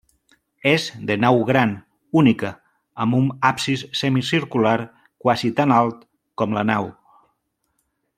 És de nau gran, única, amb un absis semicircular quasi tan alt com la nau.